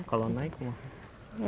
kalau nai kumaha